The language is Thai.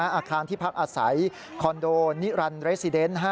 อาคารที่พักอาศัยคอนโดนิรันดิเรซิเดน